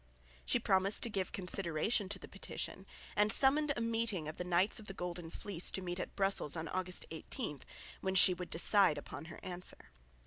She promised to give consideration to the petition, and summoned a meeting of the Knights of the Golden Fleece to meet at Brussels on August 18, when she would decide upon her answer.